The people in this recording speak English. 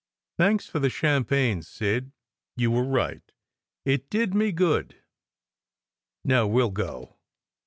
Thanks for the champagne, Sid. You were right; it did me good. Now we ll go."